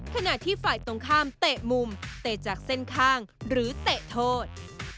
ขณะที่ฝ่ายตรงข้ามเตะมุมเตะจากเส้นข้างหรือเตะโทษ